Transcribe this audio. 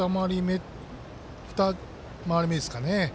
２回り目ですかね。